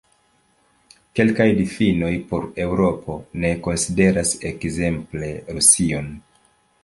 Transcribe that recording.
Kelkaj difinoj por Eŭropo ne konsideras ekzemple Rusion.